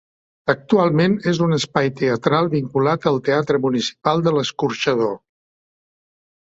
Actualment és un espai teatral vinculat al Teatre Municipal de l'Escorxador.